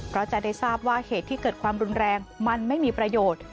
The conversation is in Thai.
เพราะจะได้ทราบว่าเหตุที่เกิดความรุนแรงมันไม่มีประโยชน์